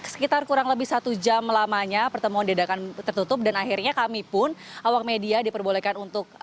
sekitar kurang lebih satu jam lamanya pertemuan diadakan tertutup dan akhirnya kami pun awak media diperbolehkan untuk